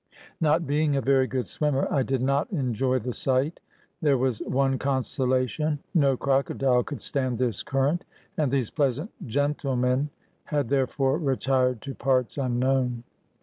Not being a very good swimmer, I did not enjoy the sight. There was one consolation, no crocodile could stand this current, and these pleasant "gentlemen" had therefore retired to parts unknown.